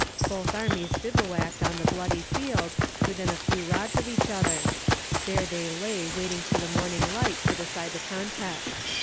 Both armies bivouaced on the bloody field, within a few rods of each other. There they lay waiting for the morning light to decide the contest.